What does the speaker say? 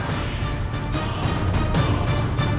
aku akan menang